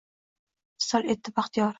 Visol etdi baxtiyor.